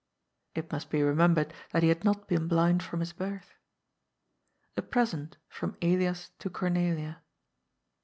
It must be remembered that he had not been blind from his birth. A present from Elias to Cornelia.